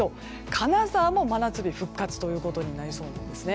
金沢も真夏日が復活となりそうなんですね。